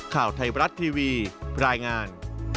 ข่าวไทยบรัฐทีวีรายงาน